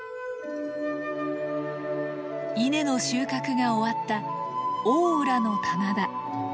稲の収穫が終わった大浦の棚田。